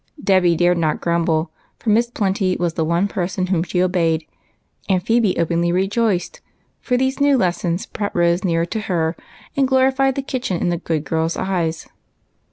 Dolly dared not grumble, for Miss Plenty was the one person whom she obeyed, and Phebe openly rejoiced, for these new lessons brought Rose nearer to her, and glorified the kitchen in the good girl's eyes.